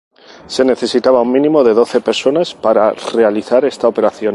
Se necesitaba un mínimo de doce personas para realizar esta operación.